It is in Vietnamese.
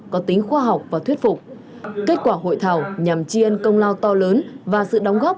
có tính khoa học và thuyết phục kết quả hội thảo nhằm tri ân công lao to lớn và sự đóng góp